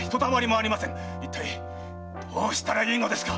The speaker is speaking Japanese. どうしたらいいのですか！